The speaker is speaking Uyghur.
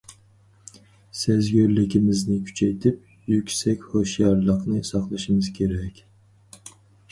سەزگۈرلۈكىمىزنى كۈچەيتىپ، يۈكسەك ھوشيارلىقنى ساقلىشىمىز كېرەك.